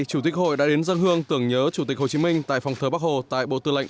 chủ tịch hội đã đến dân hương tưởng nhớ chủ tịch hồ chí minh tại phòng thờ bắc hồ tại bộ tư lệnh